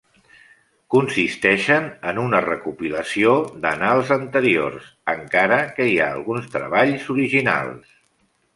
Consisteixen en una recopilació d'annals anteriors, encara que hi ha alguns treballs originals.